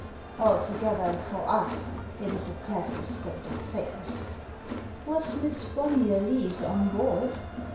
Altogether, for us, it is a pleasant state of things !"" Was Miss Bonnyer Lees on board